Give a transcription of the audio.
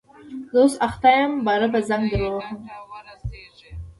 زه اوس اخته یم باره به زنګ در ووهم